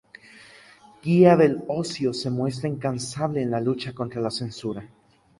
Guía del Ocio se muestra incansable en la lucha contra la censura.